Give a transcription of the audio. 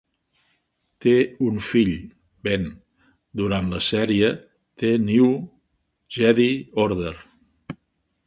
Té un fill, Ben, durant la sèrie "The New Jedi Order".